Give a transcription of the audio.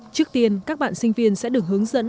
trước tiên các bạn sinh viên sẽ được hướng dẫn